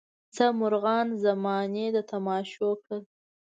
څه مرغان زمانې د تماشو کړل.